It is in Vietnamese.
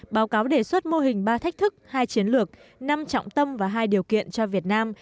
báo cáo đề xuất mô hình ba thách thức hai chiến lược năm trọng tâm và hai điều kiện cho việt nam